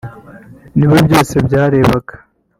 niwe byose byarebaga